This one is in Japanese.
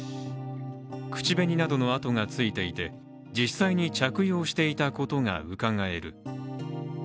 口紅などの跡がついていて、実際に着用していたことがうかがえる。